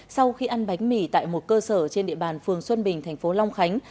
sau khi ăn bánh mì tại một cơ sở trên địa bàn phường xuân bình thành phố long khánh